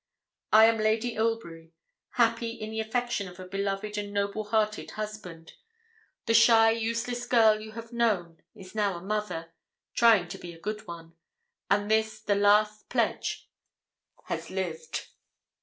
I am Lady Ilbury, happy in the affection of a beloved and noblehearted husband. The shy useless girl you have known is now a mother trying to be a good one; and this, the last pledge, has lived.